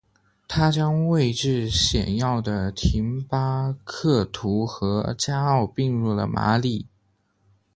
他将位置显要的廷巴克图和加奥并入了马里。